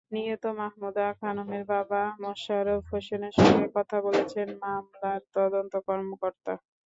নিহত মাহমুদা খানমের বাবা মোশাররফ হোসেনের সঙ্গে কথা বলছেন মামলার তদন্ত কর্মকর্তা।